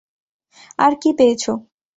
আর কী পেয়েছ?